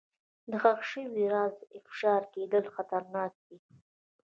د ښخ شوي راز افشا کېدل خطرناک دي.